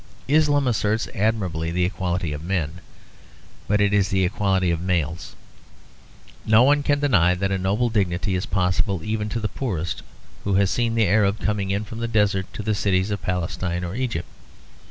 Islam asserts admirably the equality of men; but it is the equality of males. No one can deny that a noble dignity is possible even to the poorest, who has seen the Arabs coming in from the desert to the cities of Palestine or Egypt.